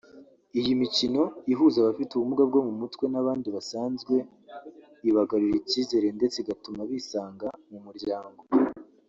Iyi mikino ihuza abafite ubumuga bwo mu mutwe n’abandi basanzwe ibagarurira icyizere ndetse igatuma bisanga mu muryango